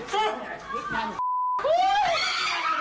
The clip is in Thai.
สู้